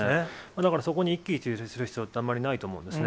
だからそこに一喜一憂する必要ってあまりないと思うんですね。